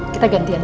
kita gantian ya